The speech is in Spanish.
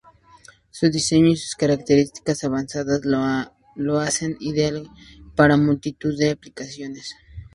Su diseño y sus características avanzadas lo hacen ideal para multitud de aplicaciones.